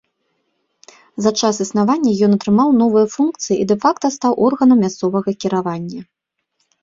За час існавання ён атрымаў новыя функцыі і дэ-факта стаў органам мясцовага кіравання.